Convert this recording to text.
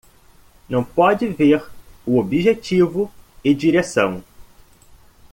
Não pode ver o objetivo e direção